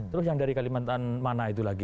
terus yang dari kalimantan mana itu lagi